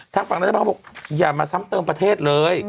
ทางฝั่งรัฐบาลก็บอกอย่ามาซ้ำเติมประเทศเลย